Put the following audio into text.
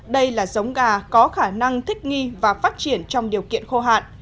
đây là giống gà có khả năng thích nghi và phát triển trong điều kiện khô hạn